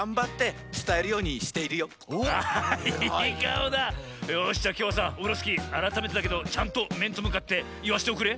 よっしゃきょうはさオフロスキーあらためてだけどちゃんとめんとむかっていわしておくれ。